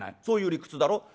そういう理屈だろ？